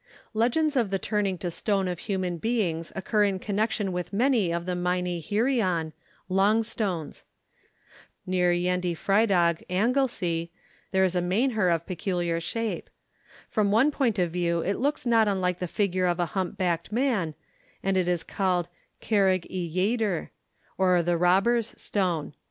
Legends of the turning to stone of human beings occur in connection with many of the meini hirion (long stones). Near Llandyfrydog, Anglesea, there is a maenhir of peculiar shape. From one point of view it looks not unlike the figure of a humpbacked man, and it is called 'Carreg y Lleidr,' or the Robber's Stone.